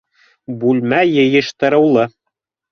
Бүлмә йыйыштырыулы.